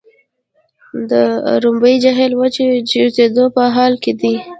د ارومیې جهیل د وچیدو په حال کې دی.